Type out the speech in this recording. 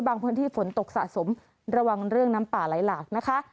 พื้นที่ฝนตกสะสมระวังเรื่องน้ำป่าไหลหลากนะคะ